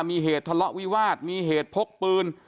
มีเหตุทะเลาะวิวาสมีเหตุพกปืน